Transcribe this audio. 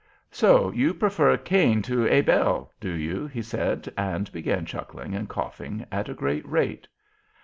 "So you prefer Cane to A bell, do you?" he said—and began chuckling and coughing at a great rate.